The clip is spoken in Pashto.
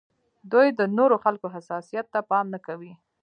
دوی د نورو خلکو حساسیت ته پام نه کوي.